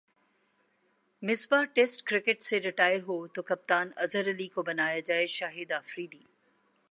Misbah test cricket سے retire ہو تو کپتان اظہر علی کو بنایا جائےشاہد افریدی